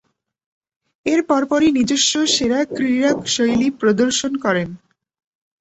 এর পরপরই নিজস্ব সেরা ক্রীড়াশৈলী প্রদর্শন করেন।